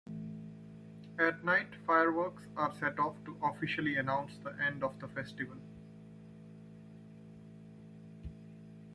At night fireworks are set off to officially announce the end of the festival.